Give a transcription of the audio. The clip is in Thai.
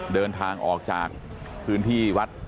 เดินทางออกจากพื้นที่วัด